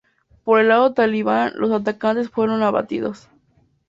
Por el lado talibán los atacantes fueron abatidos.